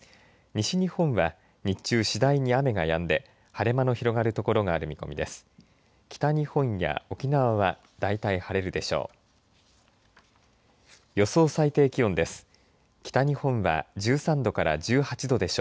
西日本は日中、次第に雨がやんで晴れ間の広がる所がある見込みです。